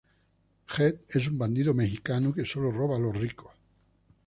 Jed es un bandido mexicano que solo roba a los ricos.